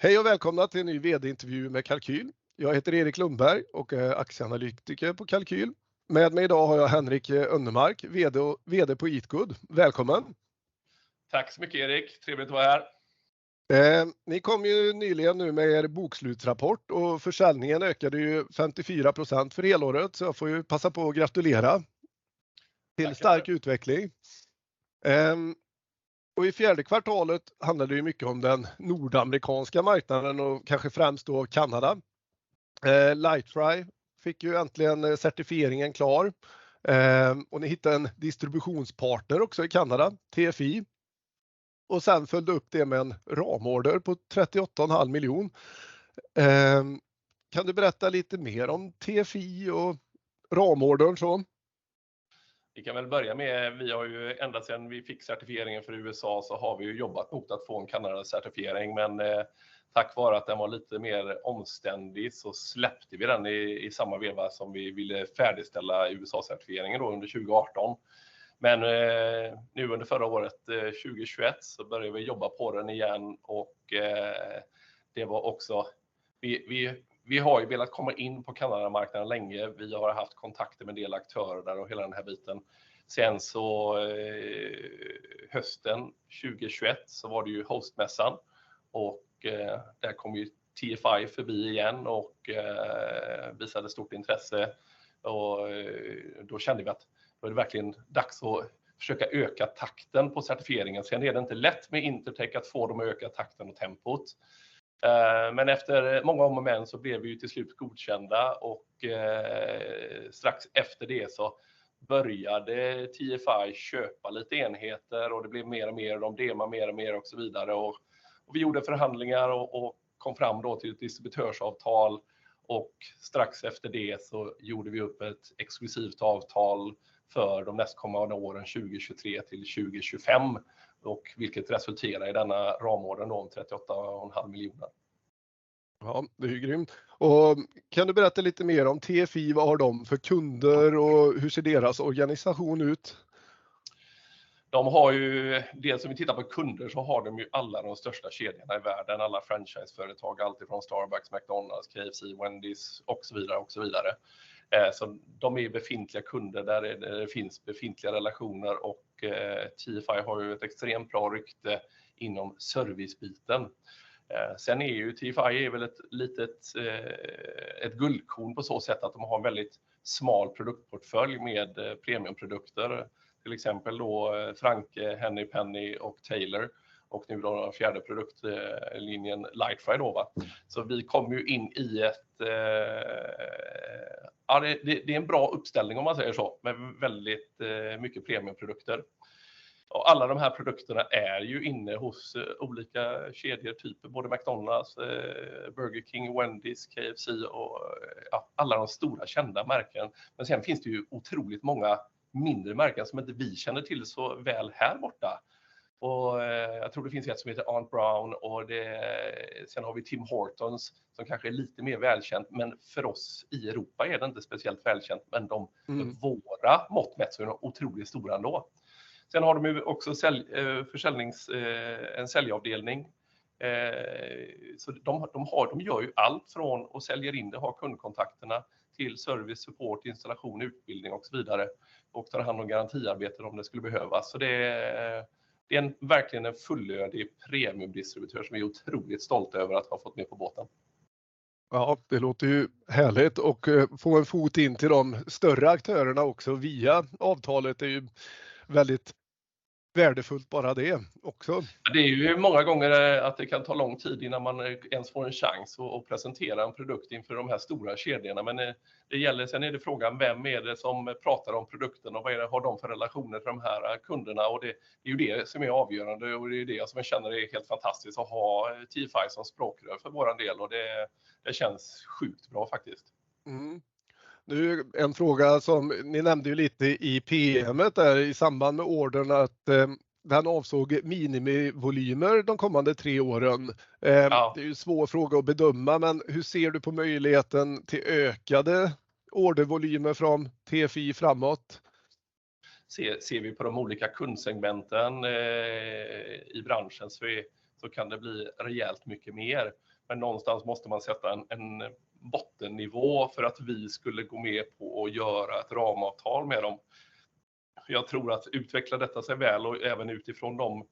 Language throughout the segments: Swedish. Hej och välkomna till en ny vd-intervju med Kalqyl. Jag heter Erik Lundberg och är Aktieanalytiker på Kalqyl. Med mig i dag har jag Henrik Önnermark, VD på EatGood. Välkommen. Tack så mycket Erik. Trevligt att vara här. Ni kom ju nyligen nu med er bokslutsrapport och försäljningen ökade ju 54% för helåret. Jag får ju passa på att gratulera till en stark utveckling. I Q4 handlar det ju mycket om den nordamerikanska marknaden och kanske främst då Kanada. Lightfry fick ju äntligen certifieringen klar. Ni hittade en distributionspartner också i Kanada, TFI. Sen följde upp det med en ramorder på SEK 38.5 million. Kan du berätta lite mer om TFI och ramordern så? Vi kan väl börja med, vi har ju ända sedan vi fick certifieringen för USA så har vi ju jobbat mot att få en Canada-certifiering. Tack vare att den var lite mer omständlig så släppte vi den i samma veva som vi ville färdigställa USA-certifieringen då under 2018. Nu under förra året 2021 så började vi jobba på den igen och Vi har ju velat komma in på Canada-marknaden länge. Vi har haft kontakter med en del aktörer där och hela den här biten. Hösten 2021 så var det ju HostMilano-mässan och där kom ju TFI förbi igen och visade stort intresse. Då kände vi att då var det verkligen dags att försöka öka takten på certifieringen. Är det inte lätt med Intertek att få dem att öka takten och tempot. Efter många om och men så blev vi ju till slut godkända och strax efter det så började TFI köpa lite enheter och det blev mer och mer. De demoade mer och mer och så vidare. Vi gjorde förhandlingar och kom fram då till ett distributörsavtal och strax efter det så gjorde vi upp ett exklusivt avtal för de nästkommande åren 2023-2025. Vilket resulterar i denna ramordern om SEK 38.5 million. Ja, det är ju grymt. Kan du berätta lite mer om TFI? Vad har de för kunder och hur ser deras organisation ut? De har, dels om vi tittar på kunder så har de alla de största kedjorna i världen, alla franchiseföretag, alltifrån Starbucks, McDonald's, KFC, Wendy's och så vidare och så vidare. De är befintliga kunder. Där finns befintliga relationer och TFI har ett extremt bra rykte inom servicebiten. TFI är väl ett litet guldkorn på så sätt att de har en väldigt smal produktportfölj med premiumprodukter. Till exempel då Franke, Henny Penny och Taylor och nu då den fjärde produktlinjen Lightfry då va. Vi kom in i ett, det är en bra uppställning om man säger så. Med väldigt mycket premiumprodukter. Alla de här produkterna är inne hos olika kedjor, typ både McDonald's, Burger King, Wendy's, KFC och alla de stora kända märkena. Sen finns det ju otroligt många mindre märken som inte vi känner till så väl här borta. Jag tror det finns ett som heter Aunt Brown och det, sen har vi Tim Hortons som kanske är lite mer välkänt, men för oss i Europa är det inte speciellt välkänt. Våra mått mätt så är de otroligt stora ändå. Har de ju också försäljnings, en säljavdelning. De gör ju allt från att sälja in det, ha kundkontakterna till service, support, installation, utbildning och så vidare. Tar hand om garantiarbetet om det skulle behövas. Det är en verkligen en fullödig premiumdistributör som vi är otroligt stolta över att ha fått med på båten. Det låter ju härligt och få en fot in till de större aktörerna också via avtalet är ju väldigt värdefullt bara det också. Det är ju många gånger att det kan ta lång tid innan man ens får en chans att presentera en produkt inför de här stora kedjorna. Det gäller, sen är det frågan vem är det som pratar om produkten och vad har de för relationer för de här kunderna. Det, det är ju det som är avgörande och det är det som jag känner är helt fantastiskt att ha TFI som språkrör för våran del. Det, det känns sjukt bra faktiskt. Mm. Nu en fråga som ni nämnde ju lite i PM:et där i samband med ordern att den avsåg minimivolymer de kommande tre åren. Ja. Det är ju svår fråga att bedöma, men hur ser du på möjligheten till ökade ordervolymer från TFI framåt? Ser vi på de olika kundsegmenten i branschen så kan det bli rejält mycket mer. Någonstans måste man sätta en bottennivå för att vi skulle gå med på att göra ett ramavtal med dem. Jag tror att utvecklar detta sig väl och även utifrån de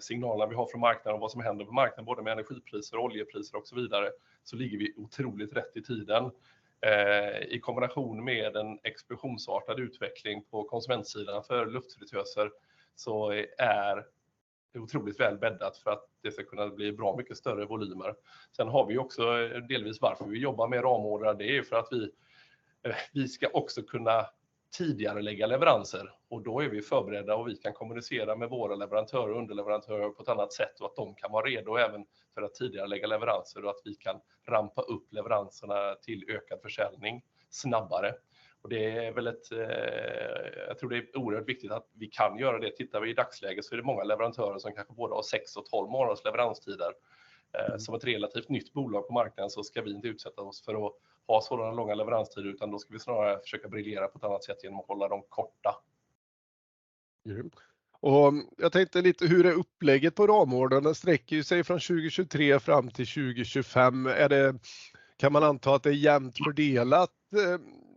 signalerna vi har från marknaden och vad som händer på marknaden, både med energipriser, oljepriser och så vidare, så ligger vi otroligt rätt i tiden. I kombination med en explosionsartad utveckling på konsumentsidan för luftfritöser så är det otroligt väl bäddat för att det ska kunna bli bra mycket större volymer. Vi har också delvis varför vi jobbar med ramorder. Det är för att vi ska också kunna tidigarelägga leveranser och då är vi förberedda och vi kan kommunicera med våra leverantörer och underleverantörer på ett annat sätt. Att de kan vara redo även för att tidigarelägga leveranser och att vi kan rampa upp leveranserna till ökad försäljning snabbare. Det är väl ett, jag tror det är oerhört viktigt att vi kan göra det. Tittar vi i dagsläget så är det många leverantörer som kanske både har 6 och 12 månaders leveranstider. Som ett relativt nytt bolag på marknaden så ska vi inte utsätta oss för att ha sådana långa leveranstider, utan då ska vi snarare försöka briljera på ett annat sätt genom att hålla dem korta. Grymt. Jag tänkte lite hur är upplägget på ramordern? Den sträcker ju sig från 2023 fram till 2025. Är det, kan man anta att det är jämnt fördelat?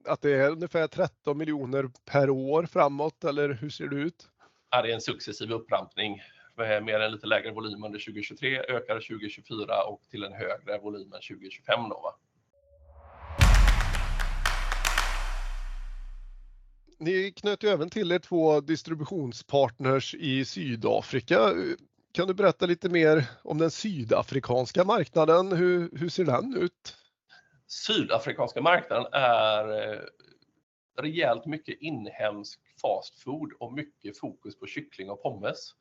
Att det är ungefär SEK 13 million per år framåt eller hur ser det ut? Det är en successiv upprampning. Med en lite lägre volym under 2023 ökar 2024 och till en högre volym än 2025 då va. Ni knöt ju även till er 2 distributionspartners i Sydafrika. Kan du berätta lite mer om den sydafrikanska marknaden? Hur ser den ut? Sydafrikanska marknaden är rejält mycket inhemsk fast food och mycket fokus på kyckling och pommes.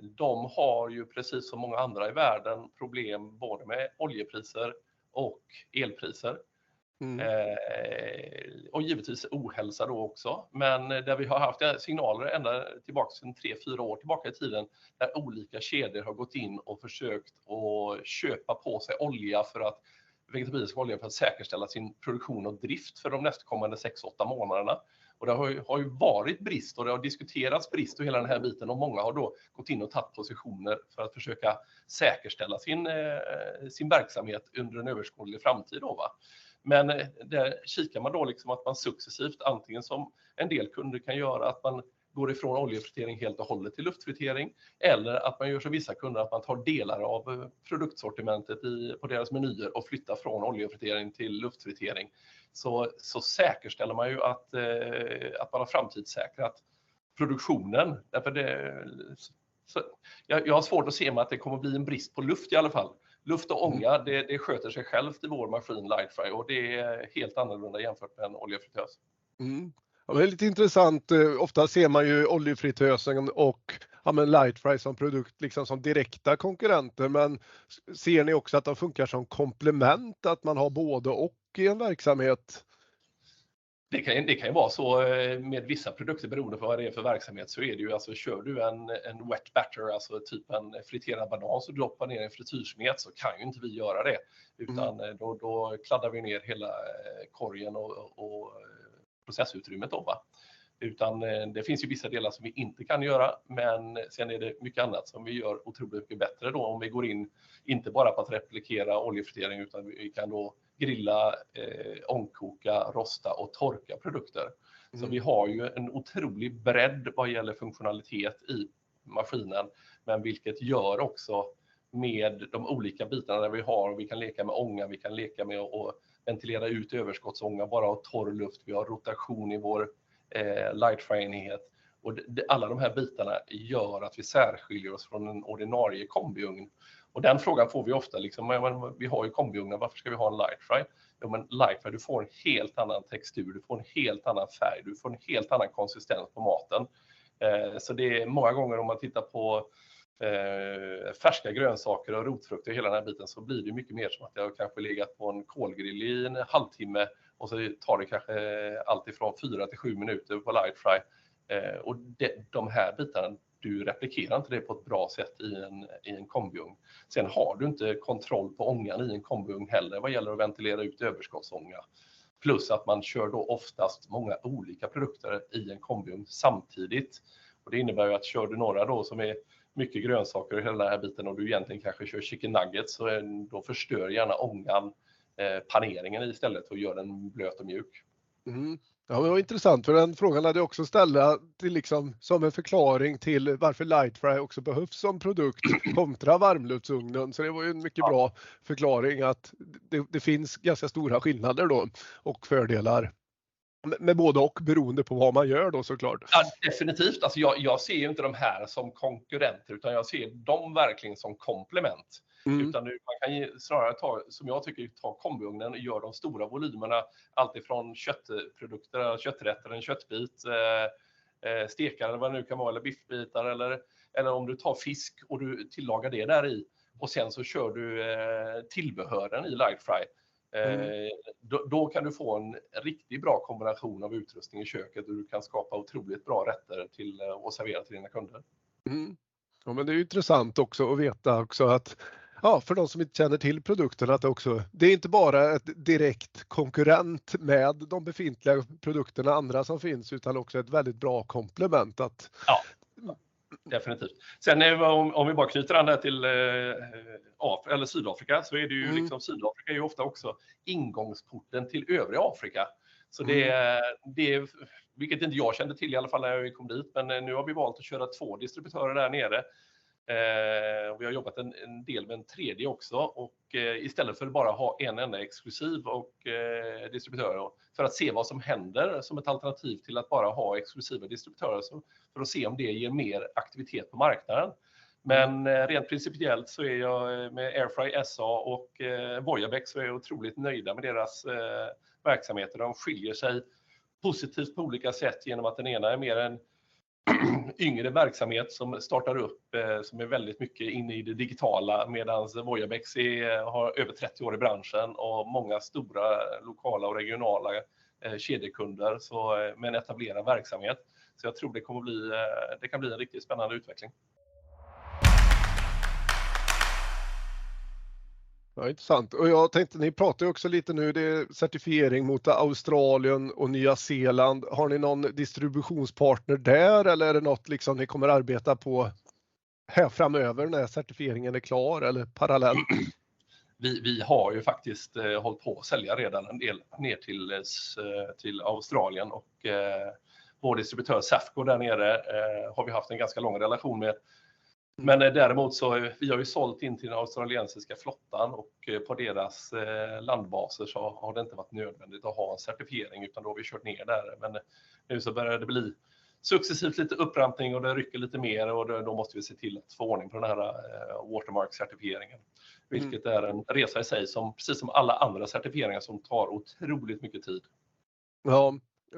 De har ju precis som många andra i världen problem både med oljepriser och elpriser. Givetvis ohälsa då också. Där vi har haft signaler ända tillbaka sen tre, fyra år tillbaka i tiden där olika kedjor har gått in och försökt att köpa på sig olja för att, vegetabilisk olja för att säkerställa sin produktion och drift för de nästkommande sex, åtta månaderna. Det har ju varit brist och det har diskuterats brist och hela den här biten och många har då gått in och tagit positioner för att försöka säkerställa sin verksamhet under en överskådlig framtid då va. Där kikar man då liksom att man successivt antingen som en del kunder kan göra att man går ifrån oljefritering helt och hållet till luftfritering. Att man gör som vissa kunder att man tar delar av produktsortimentet på deras menyer och flyttar från oljefritering till luftfritering. Säkerställer man ju att man har framtidssäkrat produktionen. Jag har svårt att se om att det kommer bli en brist på luft i alla fall. Luft och ånga, det sköter sig självt i vår maskin Lightfry och det är helt annorlunda jämfört med en oljefritös. Mm. Ja, det är lite intressant. Oftast ser man ju oljefritösen och ja men Lightfry som produkt, liksom som direkta konkurrenter. Ser ni också att de funkar som komplement? Att man har både och i en verksamhet? Det kan ju vara så med vissa produkter, beroende på vad det är för verksamhet. Är det ju. Alltså kör du en wet batter, alltså typ en friterad banan och droppar ner i en frityrsmet, så kan ju inte vi göra det. Då, då kladdar vi ner hela korgen och processutrymmet då va. Det finns ju vissa delar som vi inte kan göra, men sen är det mycket annat som vi gör otroligt mycket bättre då om vi går in, inte bara på att replikera oljefritering, utan vi kan då grilla, ångkoka, rosta och torka produkter. Vi har ju en otrolig bredd vad gäller funktionalitet i maskinen. Vilket gör också med de olika bitarna där vi har. Vi kan leka med ånga, vi kan leka med att ventilera ut överskottsånga, bara torr luft. Vi har rotation i vår Lightfry enhet. De alla de här bitarna gör att vi särskiljer oss från en ordinarie kombiugn. Den frågan får vi ofta. Liksom vi har ju kombiugnen, varför ska vi ha en Lightfry? Lightfry du får en helt annan textur, du får en helt annan färg, du får en helt annan konsistens på maten. Det är många gånger om man tittar på färska grönsaker och rotfrukter och hela den här biten så blir det ju mycket mer som att det har kanske legat på en kolgrill i en halvtimme och så tar det kanske allt ifrån 4 till 7 minuter på Lightfry. De här bitarna, du replikerar inte det på ett bra sätt i en, i en kombiugn. Du har inte kontroll på ångan i en kombiugn heller vad gäller att ventilera ut överskottsånga. Att man kör då oftast många olika produkter i en kombiugn samtidigt. Det innebär ju att kör du några då som är mycket grönsaker i hela den här biten och du egentligen kanske kör chicken nuggets då förstör gärna ångan paneringen istället och gör den blöt och mjuk. Det var intressant för den frågan hade jag också ställa till liksom som en förklaring till varför Lightfry också behövs som produkt kontra varmluftsugnen. Det var ju en mycket bra förklaring att det finns ganska stora skillnader då och fördelar med både och beroende på vad man gör då så klart. Ja, definitivt. Alltså jag ser ju inte de här som konkurrenter, utan jag ser dem verkligen som komplement. Man kan ju snarare ta, som jag tycker, ta kombiugnen och gör de stora volymerna. Alltifrån köttprodukter, kötträtter, en köttbit, stekar eller vad det nu kan vara. Biffbitar. Om du tar fisk och du tillagar det där i och sen så kör du tillbehören i LightFry. Då kan du få en riktigt bra kombination av utrustning i köket och du kan skapa otroligt bra rätter till att servera till dina kunder. Ja, det är intressant också att veta också att ja, för de som inte känner till produkten att också det är inte bara ett direkt konkurrent med de befintliga produkterna andra som finns, utan också ett väldigt bra komplement. Ja, definitivt. Om vi bara knyter an det till South Africa, så är det ju liksom South Africa är ju ofta också ingångsporten till övriga Africa. Det vilket inte jag kände till i alla fall när jag kom dit. Nu har vi valt att köra 2 distributörer där nere. Vi har jobbat en del med en 3rd också. Istället för att bara ha 1 enda exklusiv och distributör för att se vad som händer som ett alternativ till att bara ha exklusiva distributörer för att se om det ger mer aktivitet på marknaden. Rent principiellt så är jag med Air Fry SA och Voyabex så är jag otroligt nöjda med deras verksamheter. De skiljer sig positivt på olika sätt genom att den ena är mer en yngre verksamhet som startar upp, som är väldigt mycket inne i det digitala. Medans Voyabex har över 30 år i branschen och många stora lokala och regionala kedjekunder. Med en etablerad verksamhet. Jag tror det kan bli en riktigt spännande utveckling. Ja, inte sant. Jag tänkte ni pratar också lite nu, det är certifiering mot Australia och New Zealand. Har ni någon distributionspartner där eller är det något liksom ni kommer arbeta på här framöver när certifieringen är klar eller parallellt? Vi har ju faktiskt hållit på att sälja redan en del ner till Australien och vår distributör Safco där nere har vi haft en ganska lång relation med. Däremot så, vi har ju sålt in till den australiensiska flottan och på deras landbaser så har det inte varit nödvändigt att ha en certifiering, utan då har vi kört ner där. Nu så börjar det bli successivt lite upprampning och det rycker lite mer och då måste vi se till att få ordning på den här WaterMark-certifieringen. Vilket är en resa i sig som precis som alla andra certifieringar som tar otroligt mycket tid. Ja,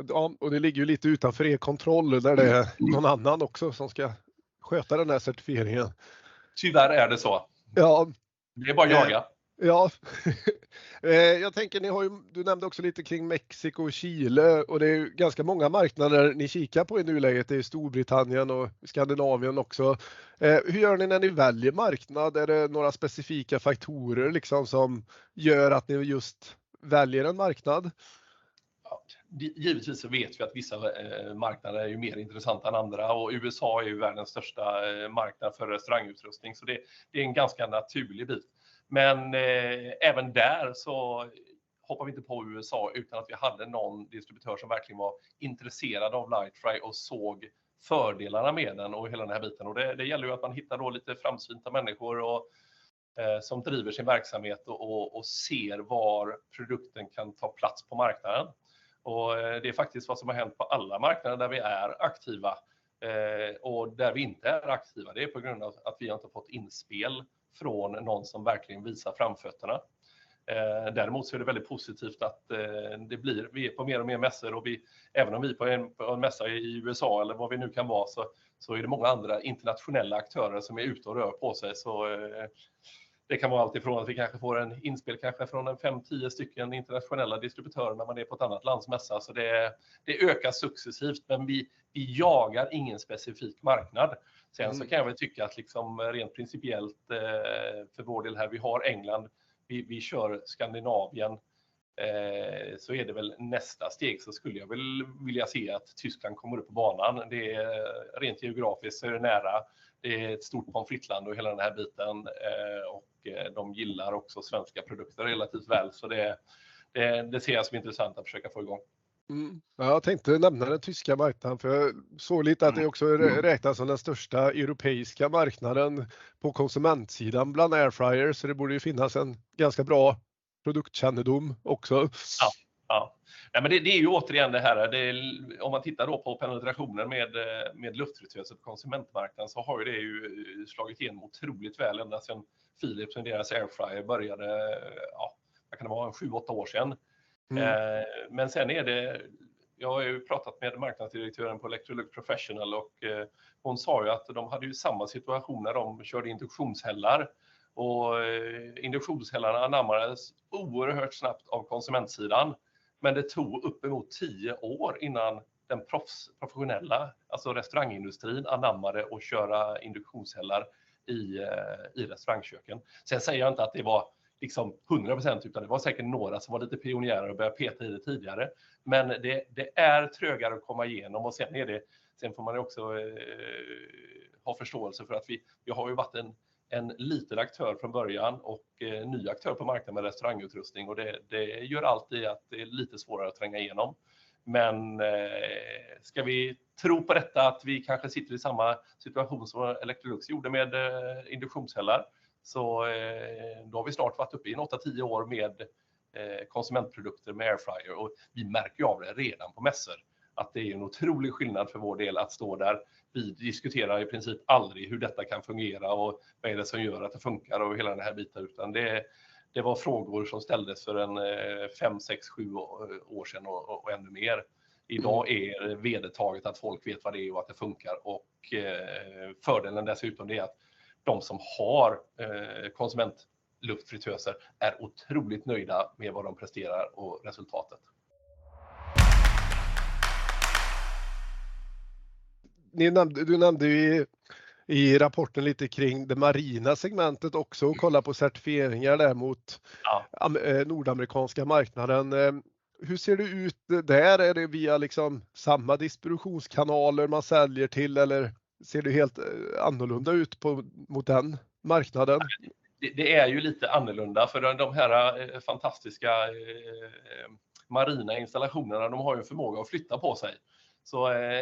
ja och det ligger ju lite utanför er kontroll där det är någon annan också som ska sköta den där certifieringen. Tyvärr är det så. Ja. Det är bara att jaga. Jag tänker ni har ju, du nämnde också lite kring Mexiko och Chile och det är ganska många marknader ni kikar på i nuläget. Det är Storbritannien och Skandinavien också. Hur gör ni när ni väljer marknad? Är det några specifika faktorer liksom som gör att ni just väljer en marknad? Givetvis så vet vi att vissa marknader är ju mer intressanta än andra och USA är ju världens största marknad för restaurangutrustning. Det är en ganska naturlig bit. Även där så hoppar vi inte på USA utan att vi hade någon distributör som verkligen var intresserad av Lightfry och såg fördelarna med den och hela den här biten. Det gäller ju att man hittar då lite framsynta människor och som driver sin verksamhet och ser var produkten kan ta plats på marknaden. Det är faktiskt vad som har hänt på alla marknader där vi är aktiva. Där vi inte är aktiva, det är på grund av att vi inte har fått inspel från någon som verkligen visar framfötterna. Däremot så är det väldigt positivt att det blir, vi är på mer och mer mässor och även om vi är på en mässa i USA eller vad vi nu kan vara så är det många andra internationella aktörer som är ute och rör på sig. Det kan vara allt ifrån att vi kanske får en inspel kanske från en 5, 10 stycken internationella distributörer när man är på ett annat lands mässa. Det ökar successivt. Vi jagar ingen specifik marknad. Kan jag väl tycka att liksom rent principiellt för vår del här, vi har England, vi kör Skandinavien. Är det väl nästa steg så skulle jag väl vilja se att Tyskland kommer upp på banan. Det rent geografiskt är nära. Det är ett stort pommes frites-land och hela den här biten. De gillar också svenska produkter relativt väl. Det ser jag som intressant att försöka få i gång. Mm. Jag tänkte nämna den tyska marknaden för så lite att det också räknas som den största europeiska marknaden på konsumentsidan bland Airfryer. Det borde ju finnas en ganska bra produktkännedom också. Ja, ja. Nej men det är ju återigen det här. Det, om man tittar då på penetrationen med luftfritösen på konsumentmarknaden så har ju det slagit igenom otroligt väl ända sedan Philips och deras Airfryer började. Ja, vad kan det vara en 7, 8 år sedan? Men sen är det, jag har ju pratat med Marknadsdirektören på Electrolux Professional och hon sa ju att de hade ju samma situation när de körde induktionshällar. Induktionshällarna anammades oerhört snabbt av konsumentsidan. Men det tog uppemot 10 år innan den professionella, alltså restaurangindustrin anammade att köra induktionshällar i restaurangköken. Jag säger inte att det var liksom 100%, utan det var säkert några som var lite pionjärer och började peta i det tidigare. Men det är trögare att komma igenom. Sen får man också ha förståelse för att vi har ju varit en liten aktör från början och ny aktör på marknaden med restaurangutrustning. Det gör alltid att det är lite svårare att tränga igenom. Ska vi tro på detta att vi kanske sitter i samma situation som Electrolux gjorde med induktionshällar. Då har vi snart varit uppe i en 8-10 år med konsumentprodukter med Airfryer och vi märker ju av det redan på mässor. Det är en otrolig skillnad för vår del att stå där. Vi diskuterar i princip aldrig hur detta kan fungera och vad är det som gör att det funkar och hela den här biten. Utan det var frågor som ställdes för en 5, 6, 7 år sedan och ännu mer. Idag är det vedertaget att folk vet vad det är och att det funkar. Fördelen dessutom det är att de som har konsument luftfritöser är otroligt nöjda med vad de presterar och resultatet. Du nämnde ju i rapporten lite kring det marina segmentet också och kollar på certifieringar där mot nordamerikanska marknaden. Hur ser det ut där? Är det via liksom samma distributionskanaler man säljer till eller ser det helt annorlunda ut mot den marknaden? Det är ju lite annorlunda för de här fantastiska marina installationerna, de har ju en förmåga att flytta på sig.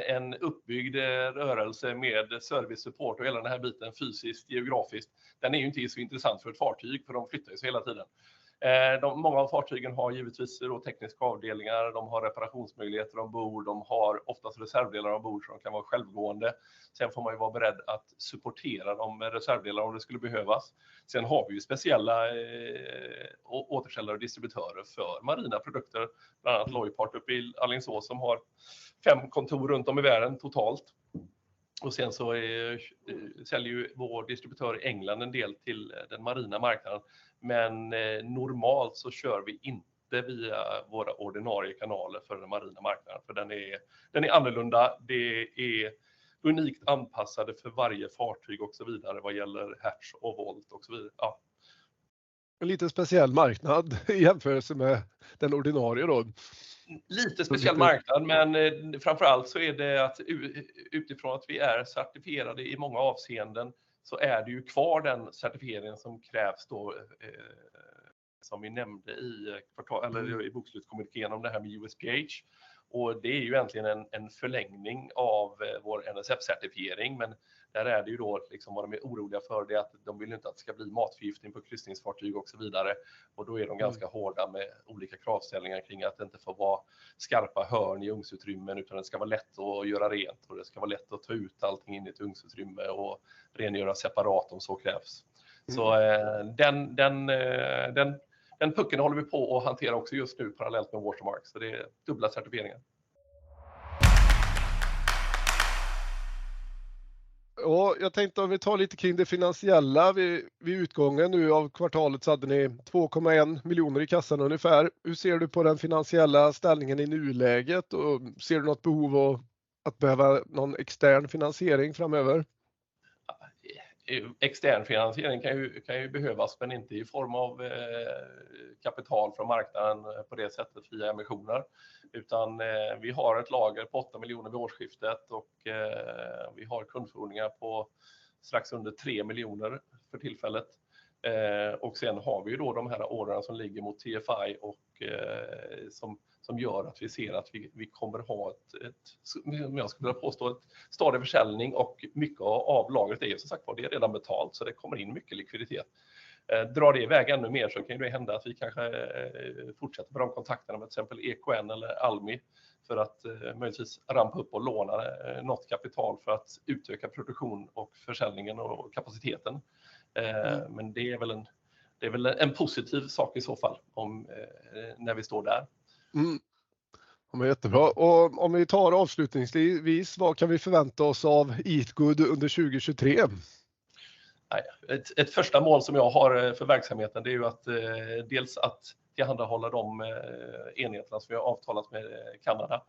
En uppbyggd rörelse med servicesupport och hela den här biten fysiskt, geografiskt, den är ju inte så intressant för ett fartyg för de flyttar ju sig hela tiden. Många av fartygen har givetvis då tekniska avdelningar, de har reparationsmöjligheter ombord, de har oftast reservdelar ombord så de kan vara självgående. Får man ju vara beredd att supportera dem med reservdelar om det skulle behövas. Har vi ju speciella återförsäljare och distributörer för marina produkter. Bland annat Loipart uppe i Alingsås som har 5 kontor runt om i världen totalt. Säljer ju vår distributör i England en del till den marina marknaden. Normalt så kör vi inte via våra ordinarie kanaler för den marina marknaden. Den är annorlunda. Unikt anpassade för varje fartyg och så vidare vad gäller hertz och volt och så vi, ja. En lite speciell marknad i jämförelse med den ordinarie då. Lite speciell marknad, men framför allt så är det att utifrån att vi är certifierade i många avseenden så är det ju kvar den certifieringen som krävs då, som vi nämnde i bokslutskommunikén om det här med USPH. Det är ju egentligen en förlängning av vår NSF-certifiering, men där är det ju då, liksom vad de är oroliga för det att de vill ju inte att det ska bli matförgiftning på kryssningsfartyg och så vidare. Då är de ganska hårda med olika kravställningar kring att det inte får vara skarpa hörn i ugnsutrymmen, utan det ska vara lätt att göra rent och det ska vara lätt att ta ut allting in i ett ugnsutrymme och rengöra separat om så krävs. Den pucken håller vi på och hanterar också just nu parallellt med WaterMark. Det är dubbla certifieringar. Jag tänkte om vi tar lite kring det finansiella. Vid utgången nu av kvartalet så hade ni SEK 2.1 million i kassan ungefär. Hur ser du på den finansiella ställningen i nuläget? Ser du något behov att behöva någon extern finansiering framöver? Extern finansiering kan ju behövas, men inte i form av kapital från marknaden på det sättet via emissioner. Vi har ett lager på SEK 8 million vid årsskiftet och vi har kundfordringar på strax under SEK 3 million för tillfället. Sen har vi då de här ordrarna som ligger mot TFI och som gör att vi ser att vi kommer ha ett, jag skulle vilja påstå, en stadig försäljning och mycket av lagret är som sagt var det redan betalt, så det kommer in mycket likviditet. Drar det i väg ännu mer så kan det ju hända att vi kanske fortsätter med de kontakterna med till exempel EKN eller Almi för att möjligtvis rampa upp och låna något kapital för att utöka produktion och försäljningen och kapaciteten. Det är väl en positiv sak i så fall om när vi står där. Ja men jättebra. Om vi tar avslutningsvis, vad kan vi förvänta oss av EatGood under 2023? Ett första mål som jag har för verksamheten, det är ju att dels att tillhandahålla de enheterna som vi har avtalat med Canada,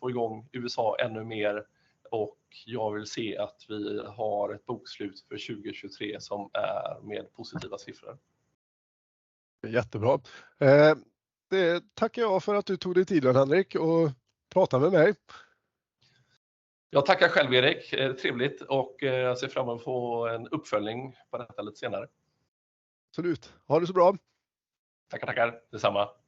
få i gång USA ännu mer och jag vill se att vi har ett bokslut för 2023 som är med positiva siffror. Jättebra. det tackar jag för att du tog dig tiden Henrik och pratade med mig. Jag tackar själv, Erik. Trevligt och jag ser fram emot att få en uppföljning på detta lite senare. Absolut. Ha det så bra. Tackar, tackar. Detsamma.